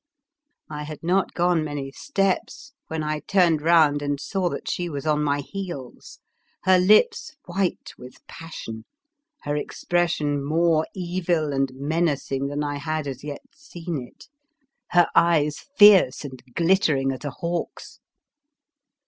I had not gone many steps when I turned round and saw that she was on my heels, her lips white with passion, her expression more evil and menacing than I had as yet seen it, her eyes fierce and glittering as a hawk's.